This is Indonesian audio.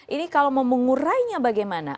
ini kalau mau mengurainya bagaimana